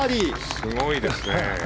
すごいですね。